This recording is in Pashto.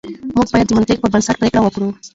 موږ بايد د منطق پر بنسټ پرېکړه وکړو.